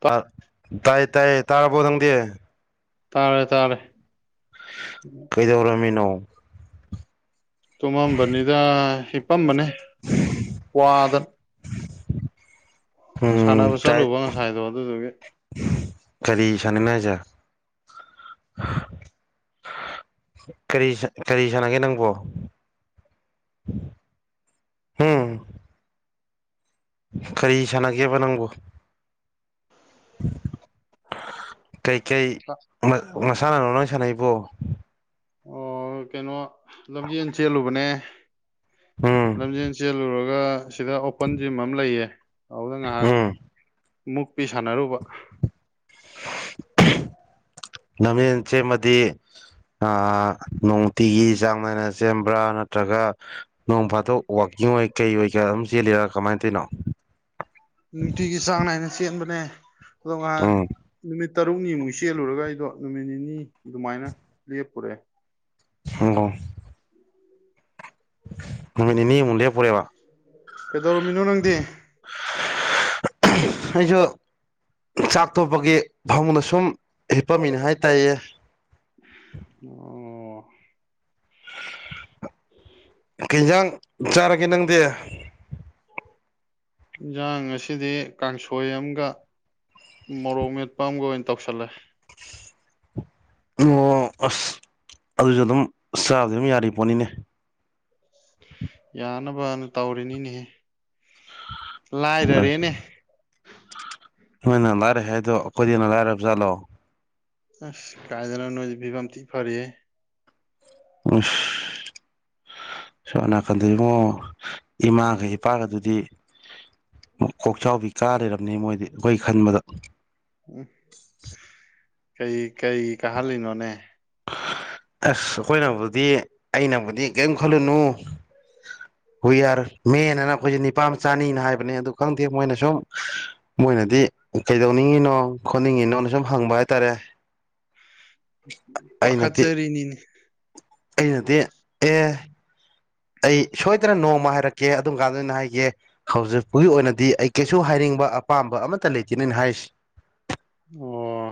ꯇꯥ ꯇꯥꯏꯌꯦ ꯇꯥꯏ ꯌꯦ ꯇꯔꯕꯣ ꯅꯪꯗꯤ ꯇꯥꯔꯦ ꯇꯥꯔꯦ ꯀꯩꯗꯧꯔꯃꯤꯅꯣ ꯇꯨꯝꯃꯝꯕꯅꯤꯗ ꯍꯤꯄꯝꯕꯅꯦ ꯋꯥꯗ ꯎꯝ ꯁꯥꯟꯅꯕ ꯇꯥꯏ ꯆꯠꯂꯨꯕ ꯉꯁꯥꯏꯗꯣ ꯑꯗꯨꯗꯨꯒꯤ ꯀꯔꯤ ꯁꯅꯩꯅꯦꯁꯦ ꯍꯥꯁꯦ ꯀꯔꯤ ꯀꯔꯤ ꯁꯥꯟꯅꯒꯦ ꯅꯪꯕꯣ ꯍꯝ ꯀꯔꯤ ꯁꯥꯟꯅꯒꯦꯕ ꯅꯪꯕꯨ ꯀꯩꯀꯩ ꯃ ꯃꯁꯥꯟꯅꯅꯣ ꯅꯪ ꯁꯥꯟꯅꯩꯕꯣ ꯑꯣ ꯀꯩꯅꯣ ꯂꯝꯖꯦꯟ ꯆꯦꯜꯂꯨꯕꯅꯦ ꯎꯝ ꯂꯝꯖꯦꯟ ꯆꯦꯜꯂꯨꯔꯒ ꯁꯤꯗ ꯑꯣꯄꯟ ꯖꯤꯝ ꯑꯃ ꯂꯩꯌꯦ ꯑꯗꯨꯗ ꯉꯥꯍꯥꯛ ꯎꯝ ꯃꯨꯛꯄꯤ ꯁꯥꯟꯅꯔꯨꯕ ꯂꯝꯖꯦꯟ ꯆꯦꯟꯕꯗꯤ ꯅꯨꯡꯇꯤꯒꯤ ꯆꯥꯡ ꯅꯥꯏꯅ ꯆꯦꯟꯕ꯭ꯔꯥ ꯅꯠꯇ꯭ꯔꯒ ꯅꯣꯡ ꯐꯥꯗꯣꯛ ꯋꯥꯀꯤꯡ [unintelligible] ꯑꯗꯨꯝ ꯆꯦꯜꯂꯤꯔ ꯀꯃꯥꯏꯅ ꯇꯧꯔꯤꯅꯣ ꯅꯨꯡꯇꯤꯒꯤ ꯆꯥꯡ ꯅꯥꯏꯅ ꯆꯦꯟꯕꯅꯦ ꯑꯗꯨꯡꯒꯥꯟ ꯎꯝ ꯅꯨꯃꯤꯠ ꯇꯔꯨꯛꯅꯤꯃꯨꯛ ꯆꯦꯜꯂꯨꯔꯒ ꯑꯩꯗꯣ ꯅꯨꯃꯤꯠ ꯅꯤꯅꯤ ꯑꯗꯨꯃꯥꯏꯅ ꯂꯦꯞꯄꯨꯔꯦ [unintelligible] ꯅꯨꯃꯤꯠ ꯅꯤꯅꯤ ꯃꯨꯛ ꯂꯦꯞꯄꯨꯔꯦꯕ ꯀꯩꯗꯧꯔꯝꯃꯤꯅꯣ ꯅꯪꯗꯤ ꯑꯩꯖꯨ ꯆꯥꯛ ꯇꯣꯛꯄꯒꯤ ꯐꯃꯨꯡꯗ ꯁꯨꯝ ꯍꯤꯞꯄꯝꯃꯤꯅꯦ ꯍꯥꯏ ꯇꯥꯌꯦ ꯑꯣ ꯀꯩꯖꯥꯡ ꯆꯥꯔꯒꯦ ꯅꯪꯗꯤ ꯏꯟꯖꯥꯡ ꯑꯁꯤꯗꯤ ꯀꯥꯡꯁꯣꯏ ꯑꯝꯒ ꯃꯣꯔꯣꯛ ꯃꯦꯠꯄ ꯑꯃꯒ ꯑꯣꯏꯅ ꯇꯧꯁꯜꯂꯦ ꯑꯣ ꯑꯁ ꯑꯗꯨꯖꯨ ꯑꯗꯨꯝ ꯆꯥꯕꯗꯤ ꯑꯗꯨꯝ ꯌꯥꯔꯤ ꯄꯣꯠꯅꯤꯅꯦ ꯌꯥꯅꯕꯅ ꯇꯧꯔꯤꯅꯤꯅꯦꯍꯦ ꯑꯁ ꯂꯥꯏꯔꯔꯦꯅꯦ ꯅꯣꯏꯅ ꯂꯥꯏꯔꯦ ꯍꯥꯏꯗꯣ ꯑꯩꯈꯣꯏꯗꯩ ꯍꯦꯟꯅ ꯂꯥꯏꯔꯕ ꯆꯥꯠꯂꯣ ꯑꯁ ꯀꯥꯏꯗꯅꯣ ꯅꯣꯏꯗꯤ ꯐꯤꯕꯝꯠ ꯇꯤ ꯐꯔꯤꯍꯦ ꯑꯣꯏꯁ ꯁꯣꯝ ꯅꯥꯀꯟꯗ ꯏꯕꯨꯉꯣ ꯏꯃꯥꯒ ꯏꯄꯥꯒꯗꯨꯗꯤ ꯀꯣꯛꯆꯥꯎꯕꯤ ꯀꯥ ꯂꯩꯔꯝꯅꯤ ꯃꯣꯏꯗꯤ ꯑꯩꯈꯣꯏ ꯈꯟꯕꯗ ꯀꯩ ꯀꯩ ꯀꯍꯜꯂꯤꯅꯣꯅꯦ ꯑꯁ ꯑꯈꯣꯏꯅꯕꯨꯗꯤ ꯑꯩꯅꯕꯨꯗꯤ ꯀꯩꯝ ꯈꯜꯂꯨꯅꯨ ꯍꯨꯢ ꯌꯥꯔꯦ ꯃꯦꯟꯅ ꯑꯩꯈꯣꯏꯁꯦ ꯅꯤꯄꯥꯝꯆꯅꯤꯅ ꯍꯥꯏꯕꯅꯦ ꯑꯗꯨ ꯈꯪꯗꯦ ꯃꯣꯏꯅ ꯁꯨꯝ ꯃꯨ ꯑꯣꯏꯅꯗꯤ ꯀꯩꯗꯧꯅꯤꯡꯉꯤꯅꯣ ꯈꯣꯠꯅꯤꯡꯉꯤꯅꯣꯅ ꯁꯨꯝ ꯍꯪꯕ ꯍꯥꯏꯇꯥꯔꯦ ꯄꯥꯈꯠ ꯑꯩꯅꯗꯤ ꯆꯔꯤꯅꯤꯅꯦ ꯑꯩꯅꯗꯤ ꯑꯦ ꯑꯩ ꯁꯣꯏꯗꯅ ꯅꯣꯡꯃ ꯍꯥꯏꯔꯛꯀꯦ ꯑꯗꯨꯝ ꯀꯥꯟꯗ ꯑꯣꯏꯅ ꯍꯥꯏꯒꯦ ꯍꯧꯖꯤꯛꯄꯒꯤ ꯑꯣꯏꯅꯗꯤ ꯑꯩ ꯀꯩꯁꯨ ꯍꯥꯏ ꯍꯥꯏꯅꯤꯡꯕ ꯑꯄꯥꯝꯕ ꯑꯃꯠꯇ ꯂꯩꯇꯦ ꯅꯣꯏꯅ ꯍꯥꯏꯔꯤꯁꯤ ꯑꯣ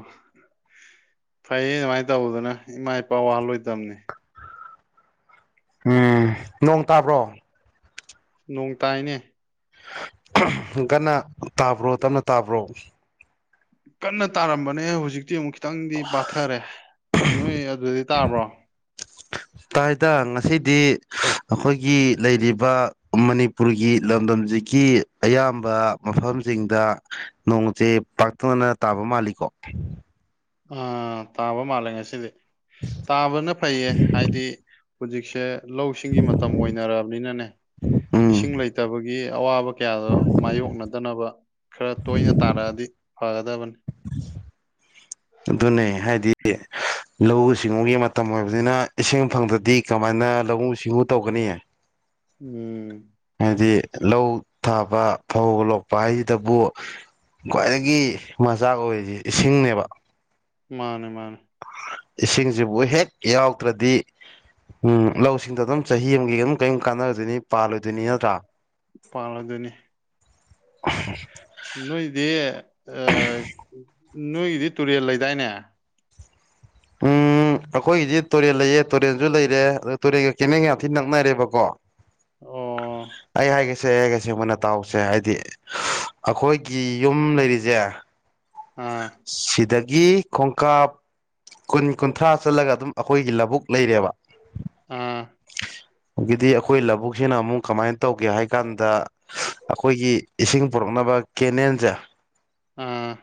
ꯐꯩꯌꯦ ꯑꯗꯨꯃꯥꯏ ꯇꯧꯕꯗꯨꯅ ꯏꯃꯥ ꯏꯄꯥ ꯋꯥꯍꯜꯂꯣꯏꯗꯝꯅꯦ ꯎꯝ ꯅꯣꯡ ꯇꯥꯕ꯭ꯔꯣ ꯅꯣꯡ ꯇꯥꯏꯅꯦ ꯒꯟꯅ ꯇꯥꯕ꯭ꯔꯣ ꯇꯞꯅ ꯇꯥꯕ꯭ꯔꯣ ꯀꯟꯅ ꯇꯥꯔꯝꯕꯅꯦ ꯍꯧꯖꯤꯛꯇꯤ ꯑꯃꯨꯛ ꯈꯤꯇꯪꯗꯤ ꯄꯥꯊꯔꯦ ꯅꯣꯏ ꯑꯗꯨꯗꯗꯤ ꯇꯥꯕ꯭ꯔꯣ [inaudible] ꯇꯥꯏ ꯇ ꯉꯁꯤꯗꯤ ꯑꯈꯣꯏꯒꯤ ꯂꯩꯔꯤꯕ ꯃꯅꯤꯄꯨꯔꯒꯤ ꯂꯝꯗꯝꯖꯤ ꯒꯤ ꯑꯌꯥꯝꯕ ꯃꯐꯝꯁꯤꯡꯗ ꯅꯣꯡꯁꯦ ꯄꯥꯛꯇꯛꯅꯅ ꯇꯥꯕ ꯃꯥꯜꯂꯤꯀꯣ [inaudible] ꯑ ꯇꯥꯕ ꯃꯥꯜꯂꯦ ꯉꯁꯤꯗꯤ ꯇꯥꯕꯅ ꯐꯩꯌꯦ ꯍꯥꯏꯗꯤ ꯍꯧꯖꯤꯛꯁꯦ ꯂꯧꯁꯤꯡꯒꯤ ꯃꯇꯝ ꯑꯣꯏꯅꯔꯝꯅꯤꯅꯅꯦ ꯎꯝ ꯏꯁꯤꯡ ꯂꯩꯇꯕꯒꯤ ꯑꯋꯥꯕ ꯀꯌꯥꯗꯣ ꯃꯥꯏꯌꯣꯛꯅꯗꯅꯕ ꯈꯔ ꯇꯣꯏꯅ ꯇꯥꯔꯛꯑꯗꯤ ꯐꯒꯗꯕꯅꯦ ꯑꯗꯨꯅꯦ ꯍꯥꯏꯗꯤ ꯂꯧꯎ ꯁꯤꯡꯎꯒꯤ ꯃꯇꯝ ꯑꯣꯏꯕꯅꯤꯅ ꯏꯁꯤꯡ ꯐꯪꯗ꯭ꯔꯗꯤ ꯀꯃꯥꯏꯅ ꯂꯧꯎ ꯁꯤꯡꯎ ꯇꯧꯒꯅꯤ ꯎꯝ ꯍꯥꯏꯗꯤ ꯂꯧ ꯊꯥꯕ ꯐꯧ ꯂꯣꯛꯄ ꯍꯥꯏꯁꯤꯗꯕꯨ ꯈ꯭ꯋꯥꯏꯗꯒꯤ ꯃꯆꯥꯛ ꯑꯣꯏꯔꯤꯖꯦ ꯏꯁꯤꯡꯅꯦꯕ ꯃꯥꯅꯦ ꯃꯥꯅꯦ ꯏꯁꯤꯡꯁꯤꯕꯨ ꯍꯦꯛ ꯌꯥꯎꯗ꯭ꯔꯗꯤ ꯎꯝ ꯂꯧꯁꯤꯡꯗꯣ ꯗꯨꯝ ꯆꯍꯤ ꯑꯝꯒꯤ ꯗꯨꯝ ꯀꯩꯝ ꯀꯥꯟꯅꯗꯣꯏꯅꯤ ꯄꯥꯜꯂꯣꯏꯗꯣꯏꯅꯤ ꯅꯠꯇ꯭ꯔꯥ ꯄꯥꯜꯂꯗꯣꯏꯅꯤ ꯅꯣꯏꯗꯤ ꯑꯥ ꯅꯣꯏꯒꯤꯗꯤ ꯇꯨꯔꯦꯜ ꯂꯩꯗꯥꯏꯅꯦ ꯎꯝ ꯎ ꯑꯩꯈꯣꯏꯒꯤꯗꯤ ꯇꯨꯔꯦꯜ ꯂꯩꯌꯦ ꯇꯨꯔꯦꯜꯁꯨ ꯂꯩꯔꯦ ꯑꯗꯨ ꯇꯨꯔꯦꯜꯒ ꯀꯦꯅꯦꯟꯒ ꯌꯥꯝ ꯊꯤ ꯅꯛꯅꯔꯦꯕꯀꯣ ꯑꯣ ꯑꯩ ꯍꯥꯏꯒꯦ ꯁꯦ ꯑꯩ ꯍꯥꯏꯒꯦꯁꯦ ꯃꯨꯟꯅ ꯇꯥꯎꯁꯦ ꯍꯥꯏꯗꯤ ꯑꯈꯣꯏꯒꯤ ꯌꯨꯝ ꯂꯩꯔꯤꯖꯦ ꯑꯥ ꯒꯤ ꯈꯣꯡꯀꯥꯞ ꯀꯨꯟ ꯀꯨꯟꯊ꯭ꯔꯥ ꯆꯠꯂꯒ ꯑꯗꯨꯝ ꯑꯈꯣꯏꯒꯤ ꯂꯕꯨꯛ ꯂꯩꯔꯦꯕ ꯑꯥ ꯒꯤꯗꯤ ꯑꯈꯣꯏ ꯂꯕꯨꯛꯁꯤꯅ ꯑꯃꯨꯛ ꯀꯃꯥꯏꯟ ꯇꯧꯒꯦ ꯍꯥꯏ ꯀꯥꯟꯗ ꯑꯈꯣꯏꯒꯤ ꯏꯁꯤꯡ ꯄꯨꯔꯛꯅꯞ ꯕ ꯀꯦꯅꯦꯜꯁꯦ ꯎꯝ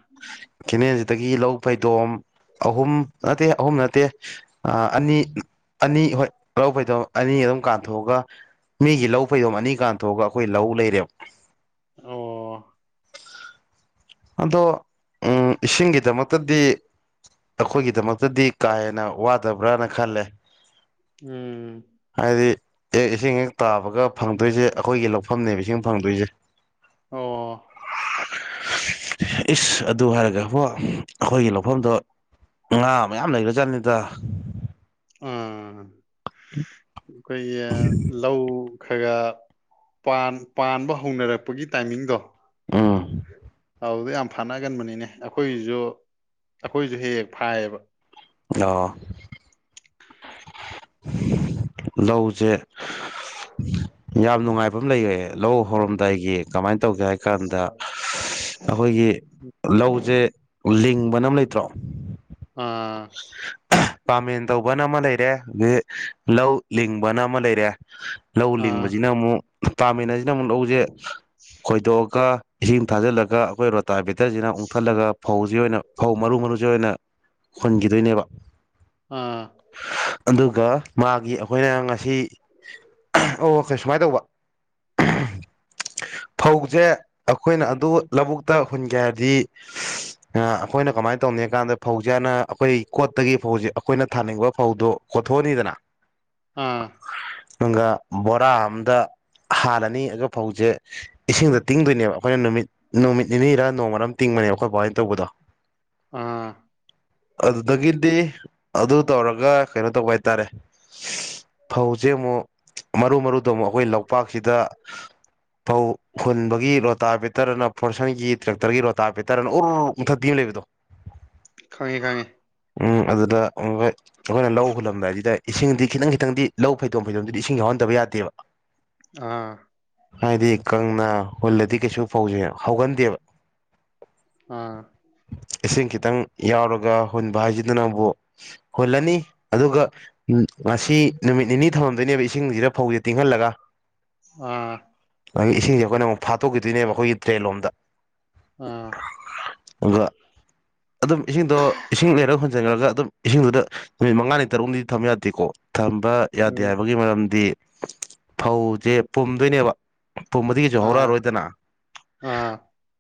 ꯀꯦꯅꯦꯜꯁꯤꯗꯒꯤ ꯂꯧ ꯐꯩꯗꯣꯝ ꯑꯍꯨꯝ ꯅꯠꯇꯦ ꯑꯍꯨꯝ ꯅꯠꯇꯦ ꯑꯅꯤ ꯑꯅꯤ ꯍꯣꯏ ꯂꯧ ꯐꯩꯗꯣꯝ ꯑꯅꯤ ꯗꯨꯝ ꯀꯥꯟꯊꯣꯛꯑꯒ ꯃꯤꯒꯤ ꯂꯧ ꯐꯩꯗꯣꯝ ꯑꯅꯤ ꯀꯥꯟꯊꯣꯛꯑꯒ ꯑꯈꯣꯏ ꯂꯧ ꯂꯩꯔꯦꯞ ꯑꯣ ꯑꯗꯣ ꯎꯝ ꯏꯁꯤꯡꯒꯤꯗꯃꯛꯇꯗꯤ ꯑꯈꯣꯏꯒꯤꯗꯃꯛꯇꯗꯤ ꯀꯥ ꯍꯦꯟꯅ ꯋꯥꯗꯕ꯭ꯔꯥꯅ ꯈꯜꯂꯦ ꯎꯝ ꯑꯦ ꯏꯁꯤꯡ ꯍꯦꯛ ꯇꯥꯕꯒ ꯐꯪꯗꯣꯏꯁꯦ ꯑꯈꯣꯏꯒꯤ ꯂꯧꯐꯝꯅꯦꯕ ꯏꯁꯤꯡ ꯐꯪꯗꯣꯏꯁꯦ ꯑꯣ ꯏꯁ ꯑꯗꯨ ꯍꯥꯏꯔꯒ ꯍꯣ ꯑꯈꯣꯏꯒꯤ ꯂꯧꯐꯝꯗꯣ ꯉꯥ ꯃꯌꯥꯝ ꯂꯩꯒ꯭ꯔ ꯖꯥꯠꯅꯤꯗ ꯎꯝ ꯑꯩꯈꯣꯏꯒꯤ ꯂꯧ ꯈꯔ ꯄꯥꯝ ꯄꯥꯟꯕ ꯍꯧꯅꯔꯛꯄꯒꯤ ꯇꯥꯏꯃꯤꯡꯗꯣ ꯑꯝ ꯑꯥꯎꯗ ꯌꯥꯝ ꯐꯥꯅꯒꯟꯕꯅꯤꯅꯦ ꯑꯈꯣꯏꯁꯨ ꯑꯈꯣꯏꯁꯨ ꯍꯦꯛ ꯍꯦꯛ ꯐꯥꯏꯌꯦꯕ ꯑꯣ ꯂꯧꯁꯦ ꯌꯥꯝ ꯅꯨꯡꯉꯥꯏꯕ ꯑꯝ ꯂꯩꯔꯦ ꯂꯧ ꯍꯧꯔꯝꯗꯥꯏꯒꯤ ꯀꯃꯥꯏ ꯇꯧꯒꯦ ꯍꯥꯏ ꯀꯥꯟꯗ ꯑꯈꯣꯏꯒꯤ ꯂꯧꯁꯦ ꯂꯤꯡꯕꯅ ꯑꯝ ꯂꯩꯇ꯭ꯔꯣ ꯑꯥ [unintelligible] ꯄꯥꯃꯦꯟ ꯇꯧꯕꯅ ꯑꯃ ꯂꯩꯔꯦ ꯒꯤ ꯂꯧ ꯂꯤꯡꯕꯅ ꯑꯃ ꯂꯩꯔꯦ ꯂꯧ ꯑꯥ ꯂꯤꯡꯕꯖꯤꯅ ꯃꯨꯛ ꯄꯥꯃꯤꯟꯅꯖꯤꯅ ꯃꯨꯛ ꯂꯧꯖꯦ ꯈꯣꯏꯗꯣꯛꯑꯒ ꯏꯁꯤꯡ ꯊꯥꯖꯜꯂꯒ ꯑꯩꯈꯣꯏ ꯔꯣꯇꯥ ꯒꯦꯇꯔꯖꯤꯅ ꯑꯨꯡꯊꯠꯂꯒ ꯐꯧꯖꯤ ꯑꯣꯏꯅ ꯐꯧ ꯃꯔꯨ ꯃꯔꯨꯖꯤ ꯑꯣꯏꯅ ꯍꯨꯟꯒꯤꯗꯣꯏꯅꯦꯕ ꯑꯥ ꯑꯗꯨꯒ ꯃꯥꯒꯤ ꯑꯈꯣꯏꯅ ꯉꯁꯤ ꯑꯥ ꯑꯣ ꯀꯩ ꯁꯨꯃꯥꯏ ꯇꯧꯕ [unintelligible] ꯐꯧꯖꯦ ꯑꯈꯣꯏꯅ ꯑꯗꯨ ꯂꯧꯕꯨꯛꯇ ꯍꯨꯟꯒꯦ ꯍꯥꯏꯔꯗꯤ ꯑꯥ ꯑꯈꯣꯏꯅ ꯀꯃꯥꯏ ꯇꯧꯅꯤ ꯍꯦꯀꯥꯟꯗ ꯐꯧꯖꯦ ꯍꯥꯟꯅ ꯑꯈꯣꯏ ꯀꯣꯠꯇꯒꯤ ꯐꯧꯖꯦ ꯑꯈꯣꯏꯅ ꯊꯥꯅꯤꯡꯕ ꯐꯧꯗꯣ ꯀꯣꯊꯣꯛꯑꯅꯤꯗꯅ ꯑꯥ ꯑꯪꯒ ꯕꯣꯔꯥ ꯑꯝꯗ ꯍꯥꯜꯂꯅꯤ ꯑꯗꯣ ꯐꯧꯖꯦ ꯏꯁꯤꯡꯗ ꯇꯤꯡꯗꯣꯏꯅꯦꯕ ꯑꯩꯈꯣꯏꯅ ꯅꯨꯃꯤꯠ ꯅꯨꯃꯤꯠ ꯅꯤꯅꯤꯔ ꯅꯣꯡꯃꯔꯝ ꯇꯤꯡꯕ ꯑꯦ ꯈꯣꯏ ꯕꯥꯥꯍꯣꯏ ꯇꯧꯕꯗꯣ ꯑꯥ ꯑꯗꯨꯗꯒꯤꯗꯤ ꯑꯗꯨ ꯇꯧꯔꯒ ꯀꯩꯅꯣ ꯇꯧꯕ ꯍꯥꯏꯇꯥꯔꯦ [unintelligible] ꯐꯧꯖꯦ ꯑꯃꯨꯛ ꯃꯔꯨ ꯃꯔꯨꯗꯣ ꯑꯃꯨꯛ ꯑꯩꯈꯣꯏ ꯂꯧꯄꯥꯛꯁꯤꯗ ꯐꯧ ꯍꯨꯟꯕꯒꯤ ꯔꯣꯇꯥ ꯕꯦꯇꯔꯅ ꯐꯣꯔꯁꯟꯒꯤ ꯇ꯭ꯔꯦꯛꯇꯔꯒꯤ ꯔꯣꯇꯥ ꯄꯦꯠꯇꯔꯅ ꯎ꯭ꯔ ꯎꯪꯊꯠꯄꯤ ꯑꯝ ꯂꯩꯕꯗꯣ ꯈꯪꯉꯦ ꯈꯪꯉꯦ ꯎꯝ ꯑꯗꯨꯗ ꯎꯪꯋꯦ ꯑꯈꯣꯏꯅ ꯂꯧ ꯍꯨꯜꯂꯝꯗꯥꯏꯁꯤꯗꯩ ꯏꯁꯤꯡꯗꯤ ꯈꯤꯇꯪ ꯈꯤꯇꯪꯗꯤ ꯂꯧ ꯐꯩꯗꯣꯝ ꯐꯩꯗꯣꯝꯗꯨꯗꯤ ꯏꯁꯤꯡ ꯌꯥꯎꯍꯟꯗꯕ ꯌꯥꯗꯦꯕ ꯑꯥ ꯍꯥꯏꯗꯤ ꯀꯪꯅ ꯍꯨꯜꯂꯗꯤ ꯀꯩꯁꯨ ꯐꯧꯖꯦ ꯍꯧꯒꯟꯗꯦꯕ ꯑꯥ ꯏꯁꯤꯡ ꯈꯤꯇꯪ ꯌꯥꯎꯔꯒ ꯍꯨꯟꯕ ꯍꯥꯏꯖꯤꯗꯅꯕꯨ ꯍꯨꯜꯂꯅꯤ ꯑꯗꯨꯒ ꯉꯁꯤ ꯅꯨꯃꯤꯠ ꯅꯤꯅꯤ ꯊꯝꯃꯝꯗꯣꯏꯅꯦꯕ ꯏꯁꯤꯡꯖꯤꯗ ꯐꯧꯖꯦ ꯇꯤꯡꯍꯜꯂ ꯂꯒꯥ ꯑꯥ ꯑꯗꯒꯤ ꯏꯁꯤꯡꯖꯦ ꯑꯈꯣꯏꯅ ꯑꯃꯨꯛ ꯐꯥꯠꯇꯣꯛꯀꯤꯗꯣꯏꯅꯦꯕ ꯑꯈꯣꯏꯒꯤ ꯇ꯭ꯔꯦꯟ ꯂꯣꯝꯗ ꯑꯥ ꯑꯒ ꯑꯗꯨꯝ ꯏꯁꯤꯡꯗꯣ ꯏꯁꯤꯡ ꯂꯩꯔ ꯍꯣꯟꯖꯤꯟꯈ꯭ꯔꯒ ꯑꯗꯨꯝ ꯏꯁꯤꯡꯗꯨꯗ ꯅꯨꯃꯤꯠ ꯃꯉꯥꯅꯤ ꯇꯔꯨꯛꯅꯤ ꯊꯝ ꯌꯥꯗꯦꯀꯣ ꯊꯝꯕ ꯌꯥꯗꯦ ꯎꯝ ꯍꯥꯏꯕꯒꯤ ꯃꯔꯝꯗꯤ ꯐꯧꯖꯦ ꯄꯨꯝꯗꯣꯏꯅꯦꯕ ꯄꯨꯝꯕꯗꯤꯖꯨ ꯑꯥ ꯍꯧꯔꯛꯑꯔꯣꯏꯗꯅ ꯑꯥ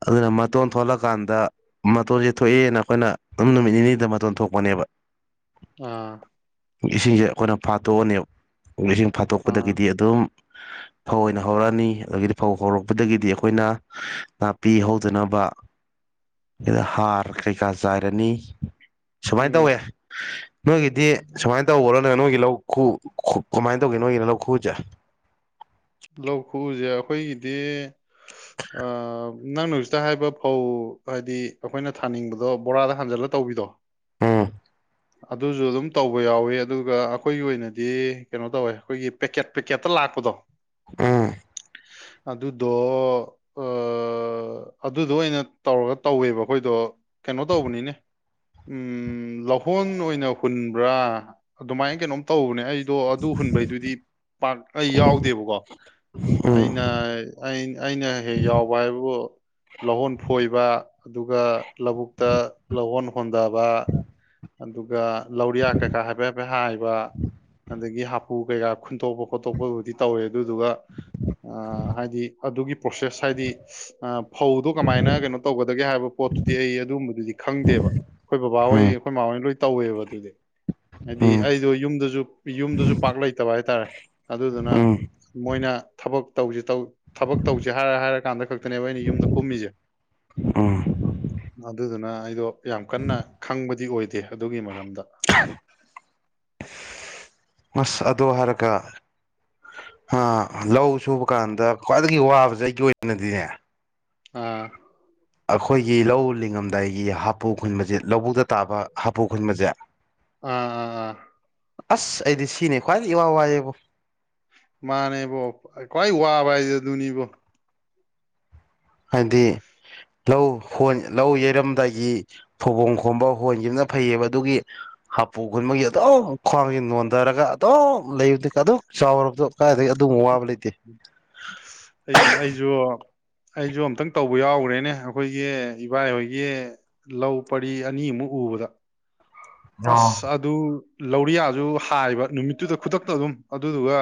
ꯑꯗꯨꯅ ꯃꯇꯣꯟ ꯊꯣꯛꯂꯀꯥꯟꯗ ꯃꯇꯣꯟꯖꯦ ꯊꯣꯑꯦꯅ ꯑꯩꯈꯣꯏꯅ ꯑꯗꯨꯝ ꯅꯨꯃꯤꯠ ꯅꯤꯅꯤꯗ ꯃꯇꯣꯟ ꯊꯣꯛꯄꯅꯦꯕ ꯑꯥ ꯏꯁꯤꯡꯖꯦ ꯑꯈꯣꯏꯅ ꯐꯥꯠꯇꯣꯛꯑꯅꯦꯕ ꯏꯁꯤꯡ ꯑꯥ ꯐꯥꯠꯇꯣꯛꯄꯗꯒꯤꯗꯤ ꯑꯗꯨꯝ ꯐꯧ ꯑꯣꯏꯅ ꯍꯧꯔꯅꯤ ꯑꯗꯒꯤꯗꯤ ꯐꯧ ꯍꯧꯔꯛꯄꯗꯒꯤꯗꯤ ꯑꯈꯣꯏꯅ ꯅꯥꯄꯤ ꯍꯧꯗꯅꯕ ꯗ ꯍꯥꯔ ꯀꯩꯀꯥ ꯆꯥꯏꯔꯅꯤ ꯁꯨꯃꯥꯏ ꯎꯝ ꯇꯧꯋꯦ ꯅꯣꯏꯒꯤꯗꯤ ꯁꯨꯃꯥꯏꯟ ꯇꯧꯕꯔꯅꯦ ꯅꯣꯏꯒꯤ ꯂꯧ ꯈꯨ ꯈꯨ ꯈꯨꯃꯥꯏꯟ ꯇꯧꯒꯦ ꯅꯣꯏꯒꯤꯅ ꯂꯧ ꯈꯨꯖꯦ [unintelligible] ꯂꯧ ꯈꯨꯖꯦ ꯑꯈꯣꯏꯒꯤꯗꯤ ꯑꯥ ꯅꯪꯅ ꯍꯧꯖꯤꯛꯇ ꯍꯥꯏꯕ ꯐꯧ ꯍꯥꯏꯗꯤ ꯑꯈꯣꯏꯅ ꯊꯥꯅꯤꯡꯕꯗꯣ ꯕꯣꯔꯥꯗ ꯍꯥꯟꯖꯜꯂ ꯇꯧ ꯇꯧꯕꯤꯗꯣ ꯎꯝ ꯑꯗꯨꯖꯨ ꯑꯗꯨꯝ ꯇꯧꯕ ꯌꯥꯎꯋꯤ ꯑꯗꯨꯒ ꯑꯈꯣꯏꯒꯤ ꯑꯣꯏꯅꯗꯤ ꯀꯅꯣ ꯇꯧꯋꯦ ꯈꯣꯏꯒꯤ ꯄꯦꯀꯦꯠ ꯄꯦꯀꯦꯠꯇ ꯂꯥꯛꯄꯗꯣ ꯎꯝ ꯑꯗꯨꯗꯣ ꯑ ꯑ ꯑꯗꯨꯗꯣ ꯑꯣꯏꯅ ꯇꯧꯔꯒ ꯇꯧꯋꯦꯕ ꯑꯈꯣꯏꯗꯣ ꯀꯩꯅꯣ ꯇꯧꯕꯅꯤꯅꯦ ꯎꯝ ꯂꯧꯍꯣꯟ ꯑꯣꯏꯅ ꯍꯨꯟꯕ꯭ꯔꯥ ꯑꯗꯨꯃꯥꯏ ꯀꯩꯅꯣꯝ ꯇꯧꯕꯅꯦ ꯑꯩ ꯗꯣ ꯑꯗꯣ ꯑꯗꯨ ꯍꯨꯟꯕꯩꯗꯨꯗꯤ ꯄꯥꯛ ꯑꯩ ꯌꯥꯎꯗꯦꯕꯀꯣ ꯎꯝ ꯑꯩꯅ ꯑꯩ ꯑꯩꯅ ꯍꯦꯛ ꯌꯥꯎꯕ ꯍꯥꯏꯕꯕꯨ ꯂꯧꯍꯣꯟ ꯐꯣꯏꯕ ꯑꯗꯨꯒ ꯂꯧꯕꯨꯛꯇ ꯂꯧꯍꯣꯟ ꯍꯣꯟꯗꯕꯥ ꯑꯗꯨꯒ ꯂꯧꯔꯤꯌꯥ ꯀꯩꯀꯥ ꯍꯥꯏꯐꯦꯠ ꯍꯥꯏꯐꯦꯠ ꯍꯥꯏꯕ ꯑꯗꯒꯤ ꯍꯥꯄꯨ ꯀꯩꯀꯥ ꯈꯨꯟꯇꯣꯛꯄ ꯈꯣꯠꯇꯣꯛꯄꯕꯨꯗꯤ ꯇꯧꯋꯦ ꯑꯗꯨꯗꯨꯒ ꯑꯥ ꯍꯥꯏꯗꯤ ꯑꯗꯨꯒꯤ ꯄ꯭ꯔꯣꯁꯦꯁ ꯍꯥꯏꯗꯤ ꯑꯥ ꯐꯧꯗꯣ ꯀꯃꯥꯏꯅ ꯀꯩꯅꯣ ꯇꯧꯒꯗꯒꯦ ꯍꯥꯏꯕ ꯄꯣꯠ ꯄꯣꯠꯇꯨꯗꯤ ꯑꯩ ꯑꯗꯨꯒꯨꯝꯕꯗꯨꯗꯤ ꯈꯪꯗꯦꯕ ꯈꯣꯏ ꯕꯕꯥꯍꯣꯏ ꯈꯣꯏ ꯃꯥꯃꯍꯣꯏꯅ ꯂꯣꯏ ꯇꯧꯋꯦꯕ ꯑꯗꯨꯗꯤ ꯎꯝ ꯍꯥꯏꯗꯤ ꯎꯝ ꯑꯩꯗꯣ ꯌꯨꯝꯗꯨꯖꯨ ꯌꯨꯝꯗꯨꯖꯨ ꯄꯥꯛ ꯂꯩꯇꯕ ꯍꯥꯏꯇꯥꯔꯦ ꯑꯗꯨꯗꯨꯅ ꯎꯝ ꯃꯣꯏꯅ ꯊꯕꯛ ꯇꯧꯖꯤ ꯇꯧ ꯊꯕꯛ ꯇꯧꯖꯤ ꯍꯥꯏꯔ ꯍꯥꯏꯔꯀꯥꯟꯗ ꯈꯛꯇꯅꯦꯕ ꯑꯩꯅ ꯌꯨꯝꯗ ꯀꯨꯝꯃꯤꯖꯦ ꯑꯣ ꯑꯗꯨꯗꯨꯅꯥ ꯑꯩꯗꯣ ꯌꯥꯝ ꯀꯟꯅ ꯈꯪꯕꯗꯤ ꯑꯣꯏꯗꯦ ꯑꯗꯨꯒꯤ ꯃꯔꯝꯗ ꯑꯁ ꯑꯗꯣ ꯍꯥꯏꯔꯒ ꯑ ꯂꯧ ꯁꯨꯕ ꯀꯥꯟꯗ ꯈ꯭ꯋꯥꯏꯗꯒꯤ ꯋꯥꯕꯖꯦ ꯑꯩꯒꯤ ꯑꯣꯏꯅꯗꯤꯅꯦ ꯑꯥ ꯑꯈꯣꯏꯒꯤ ꯂꯧ ꯂꯤꯡꯉꯝꯗꯥꯏꯒꯤ ꯍꯥꯄꯨ ꯈꯨꯟꯕꯖꯦ ꯂꯧꯕꯨꯛꯇ ꯇꯥꯕ ꯍꯥꯄꯨ ꯈꯨꯟꯕꯖꯦ ꯑꯥ ꯑꯥ ꯑꯥ ꯑꯁ ꯑꯩꯗꯤ ꯁꯤꯅꯦ ꯈ꯭ꯋꯥꯏꯗꯩ ꯏꯋꯥ ꯋꯥꯑꯦꯕꯣ ꯃꯥꯅꯦꯕꯣ ꯈ꯭ꯋꯥꯏ ꯋꯥꯕ ꯍꯥꯏꯖꯦ ꯑꯗꯨꯅꯤꯕꯣ ꯍꯥꯏꯗꯤ ꯂꯧ ꯍꯣꯟ ꯂꯧ ꯌꯩꯔꯝꯗꯥꯏꯒꯤ ꯐꯧꯕꯣꯡ ꯈꯣꯝꯕ ꯍꯣꯟꯒꯤꯕꯅ ꯐꯩꯌꯦꯕ ꯑꯗꯨꯒꯤ ꯍꯥꯄꯨ ꯈꯨꯟꯕꯒꯤ ꯑꯗꯨꯝ ꯈ꯭ꯋꯥꯡꯖꯤ ꯅꯣꯟꯗꯔꯒ ꯑꯗꯨꯝ ꯂꯩꯕꯗꯤ ꯑꯗꯨꯛ ꯆꯥꯎꯔꯕꯗꯣ ꯀꯥꯏꯗꯒꯤ ꯑꯗꯨꯃꯨꯛ ꯋꯥꯕ ꯂꯩꯇꯦ ꯑꯩ ꯑꯩꯖꯨ ꯑꯩꯖꯨ ꯑꯝꯇꯪ ꯇꯧꯕ ꯌꯥꯎꯒ꯭ꯔꯦꯅꯦ ꯑꯈꯣꯏꯒꯤ ꯏꯕꯥꯏ ꯍꯣꯏꯒꯤ ꯂꯧ ꯄꯔꯤ ꯑꯅꯤꯃꯨꯛ ꯎꯕꯗꯥ ꯑꯣ ꯑꯁ ꯑꯗꯨ ꯂꯧꯔꯤꯌꯥꯖꯨ ꯍꯥꯏꯕ ꯅꯨꯃꯤꯠꯇꯨꯗ ꯈꯨꯗꯛꯇ ꯑꯗꯨꯝ ꯑꯗꯨꯗꯨꯒꯥ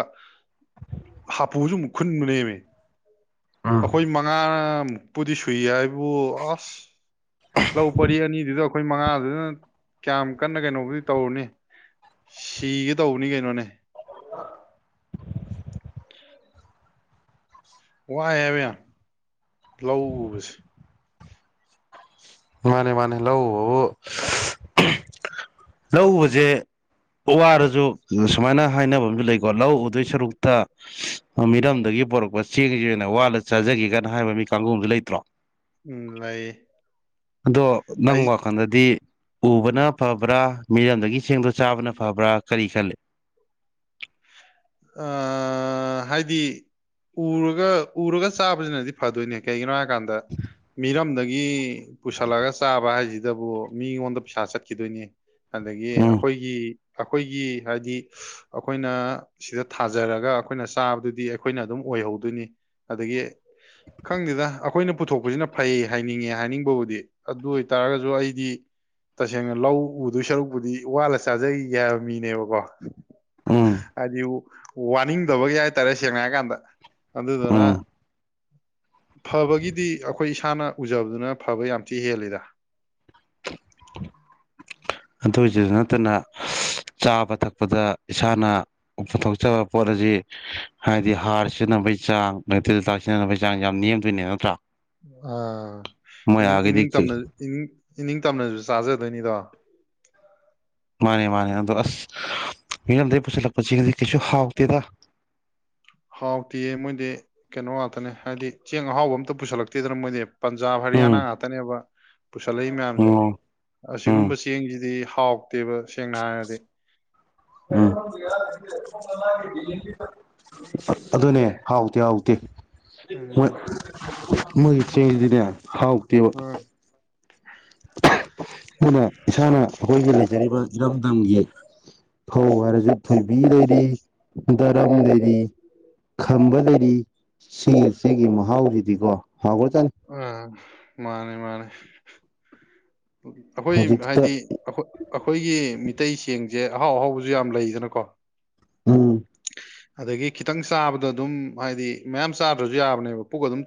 ꯍꯥꯄꯨꯖꯨ ꯑꯃꯨꯛ ꯈꯨꯟꯕꯅꯦꯃꯤ ꯎꯝ ꯑꯈꯣꯏ ꯃꯉꯥ ꯃꯨꯛ ꯄꯨꯗꯤ ꯁꯨꯏ ꯍꯥꯏꯕꯕꯨ ꯑꯁ ꯂꯧ ꯄꯔꯤ ꯑꯅꯤꯗꯨꯗ ꯑꯈꯣꯏ ꯃꯉꯥꯗꯨꯗꯅ ꯀ꯭ꯌꯥꯝ ꯀꯟꯅ ꯀꯅꯣꯕꯨꯗꯤ ꯇꯧꯔꯨꯅꯤ ꯁꯤꯒꯦ ꯇꯧꯕꯅꯤ ꯀꯩꯅꯣꯅꯦ [inaudible] ꯋꯥꯏ ꯍꯥꯏꯕ ꯌꯥꯝ ꯂꯧ ꯎꯕꯁꯦ ꯃꯥꯟꯅꯦ ꯃꯥꯟꯅꯦ ꯂꯧ ꯎꯕꯕꯨ ꯂꯧ ꯎꯕꯖꯦ ꯋꯥꯔꯖꯨ ꯁꯨꯃꯥꯏꯅ ꯍꯥꯏꯅꯕ ꯑꯝꯖꯨ ꯂꯩꯀꯣ ꯂꯧ ꯎꯗꯣꯏ ꯁꯔꯨꯛꯇꯥ ꯃꯤꯔꯝꯗꯒꯤ ꯄꯣꯔꯛꯄ ꯆꯦꯡꯖꯤ ꯑꯣꯏꯅ ꯋꯥꯜꯂ ꯆꯥꯖꯒꯦꯒꯥꯅ ꯍꯥꯏꯕ ꯃꯤ ꯀꯥꯡꯒꯨ ꯑꯝꯖꯨ ꯂꯩꯇ꯭ꯔꯣ ꯎꯝ ꯂꯩ ꯑꯗꯣ ꯅꯪ ꯑꯩ ꯋꯥꯈꯟꯗꯗꯤ ꯎꯕꯅ ꯐꯕ꯭ꯔꯥ ꯃꯤꯔꯝꯗꯒꯤ ꯆꯦꯡꯗꯨ ꯆꯥꯕꯅ ꯐꯕ꯭ꯔꯥ ꯀꯔꯤ ꯈꯜꯂꯤ ꯑꯥ ꯑꯥ ꯍꯥꯏꯗꯤ ꯎꯔꯒ ꯎꯔꯒ ꯆꯥꯕꯖꯤꯅꯗꯤ ꯐꯗꯣꯏꯅꯦ ꯀꯩꯒꯤꯅꯣ ꯍꯥꯏ ꯀꯥꯟꯗ ꯃꯤꯔꯝꯗꯩ ꯒꯤ ꯄꯨꯁꯜꯂꯒ ꯆꯥꯕ ꯍꯥꯏꯖꯤꯗꯕꯨ ꯃꯤꯉꯣꯟꯗ ꯄꯩꯁꯥ ꯆꯠꯈꯤꯗꯣꯏꯅꯦ ꯑꯗꯒꯤ ꯎꯝ ꯑꯩꯈꯣꯏꯒꯤ ꯑꯩꯈꯣꯏꯒꯤ ꯍꯥꯏꯗꯤ ꯑꯩꯈꯣꯏꯅ ꯁꯤꯗ ꯊꯥꯖꯔꯒ ꯑꯩꯈꯣꯏꯅ ꯆꯥꯕꯗꯨꯗꯤ ꯑꯩꯈꯣꯏꯅ ꯑꯗꯨꯝ ꯑꯣꯏꯍꯧꯗꯣꯏꯅꯤ ꯑꯗꯒꯤ ꯈꯪꯗꯦꯗ ꯑꯩꯈꯣꯏꯅ ꯄꯨꯊꯣꯛꯄꯖꯤꯅ ꯐꯩ ꯍꯥꯏꯅꯤꯡꯉꯦ ꯍꯥꯏꯅꯤꯡꯕꯕꯨꯗꯤ ꯑꯗꯨ ꯑꯣꯏꯇꯥꯔꯒꯖꯨ ꯑꯩꯗꯤ ꯇꯁꯦꯡꯅ ꯂꯧ ꯎꯗꯨꯏ ꯁꯔꯨꯛꯄꯨꯗꯤ ꯋꯥꯜꯂ ꯆꯥꯖꯒꯤꯒꯦ ꯍꯥꯏꯕ ꯃꯤꯅꯦꯕꯀꯣ ꯎꯝ ꯍꯥꯏꯗꯤ ꯋꯥꯅꯤꯡꯗꯕꯒꯤ ꯍꯥꯏꯇꯥꯔꯦ ꯁꯦꯡꯅ ꯍꯥꯏ ꯀꯥꯟꯗ ꯑꯗꯨꯗꯨꯅ ꯎꯝ ꯐꯕꯒꯤꯗꯤ ꯑꯩꯈꯣꯏ ꯏꯁꯥꯅ ꯎꯖꯕꯗꯨꯅ ꯐꯕ ꯌꯥꯝ ꯊꯤ ꯍꯦꯜꯂꯤꯗ ꯑꯗꯨꯏꯖꯨ ꯅꯠꯇꯅ ꯆꯥꯕ ꯊꯛꯄꯗ ꯏꯁꯥꯅ ꯄꯨꯊꯣꯛꯆꯕ ꯄꯣꯠ ꯍꯗꯤ ꯍꯥꯏꯗꯤ ꯍꯥꯔ ꯁꯤꯅ ꯅꯕꯩ ꯆꯥꯡ ꯇꯤꯜ ꯍꯤꯗꯤꯛ ꯁꯤꯖꯤꯟꯅꯕꯒꯤ ꯆꯥꯡꯖꯦ ꯌꯥꯝ ꯅꯦꯝꯗꯣꯏꯅꯦ ꯅꯠꯇ꯭ꯔꯥ ꯑꯥ ꯃꯣꯏ ꯏꯅꯤꯡ ꯑꯥꯒꯤꯗꯤ ꯏꯅꯤꯡ ꯇꯝꯅ ꯏꯅꯤꯡ ꯏꯅꯤꯡꯇꯝꯅꯖꯨ ꯆꯥꯖꯗꯣꯏꯅꯤꯗꯣ ꯃꯥꯅꯦ ꯃꯥꯅꯦ ꯑꯗꯣ ꯑꯁ ꯃꯤꯔꯝꯗꯩ ꯄꯨꯁꯤꯜꯂꯛꯄꯁꯤꯅꯗꯤ ꯀꯩꯁꯨ ꯍꯥꯎꯇꯦꯗ ꯍꯥꯎꯇꯤꯌꯦ ꯃꯣꯏꯗꯤ ꯀꯩꯅꯣ ꯉꯥꯛꯇꯅꯦ ꯍꯥꯏꯗꯤ ꯆꯦꯡ ꯑꯍꯥꯎꯕ ꯑꯝꯇ ꯄꯨꯁꯜꯂꯛꯇꯦꯗꯅ ꯃꯣꯏꯗꯤ ꯄꯟꯖꯥꯕ ꯍꯔꯤꯌꯥꯅ ꯎꯝ ꯉꯥꯛꯇꯅꯦꯕ ꯄꯨꯁꯜꯂꯛꯏ ꯃꯌꯥꯝꯖꯦ ꯑꯣ ꯎꯝ ꯑꯁꯤꯒꯨꯝꯕ ꯆꯦꯡꯖꯤꯗꯤ ꯍꯥꯎꯇꯦꯕ ꯁꯦꯡꯅ ꯍꯥꯏꯔꯗꯤ ꯎꯝ [inaudible] ꯑꯗꯨꯅꯦ ꯍꯥꯎꯇꯦ ꯍꯥꯎ ꯇꯦ ꯃꯣꯏ ꯎꯝ ꯃꯣꯏꯒꯤ ꯆꯦꯡꯖꯤꯗꯤꯅꯦ ꯍꯥꯎꯇꯦꯕ ꯑ ꯈꯣꯏꯅ ꯏꯁꯥꯅ ꯑꯩꯈꯣꯏꯒꯤ ꯂꯩꯖꯔꯤꯕ ꯏꯔꯝꯗꯝꯒꯤ ꯐꯧ ꯍꯥꯏꯔꯖꯨ ꯊꯣꯏꯕꯤ ꯂꯩꯔꯤ ꯗꯔꯝ ꯂꯩꯔꯤ ꯈꯝꯕ ꯂꯩꯔꯤ ꯁꯤꯒꯤ ꯆꯦꯡꯒꯤ ꯃꯍꯥꯎꯖꯤꯗꯤꯀꯣ ꯑꯥ ꯃꯥꯅꯦ ꯃꯥꯅꯦ ꯑꯩꯈꯣꯏ ꯍꯧꯖꯤꯛꯇ ꯍꯥꯏꯗꯤ ꯑꯈꯣ ꯑꯩꯈꯣꯏꯒꯤ ꯃꯤꯇꯩ ꯆꯦꯡ ꯖꯦ ꯑꯍꯥꯎ ꯑꯍꯥꯎꯕꯖꯨ ꯌꯥꯝ ꯂꯩꯗꯅꯀꯣ ꯎꯝ ꯑꯗꯒꯤ ꯈꯤꯇꯪ ꯆꯥꯕꯗ ꯑꯗꯨꯝ ꯍꯥꯏꯗꯤ ꯃꯌꯥꯝ ꯆꯥꯗ꯭ꯔꯖꯨ ꯌꯥꯕꯅꯦꯕ ꯄꯨꯛ ꯑꯗꯨꯝ ꯊꯟ